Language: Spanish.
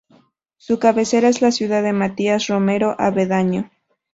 Su cabecera es la ciudad de Matías Romero Avendaño.